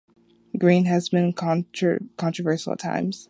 Green has been controversial at times.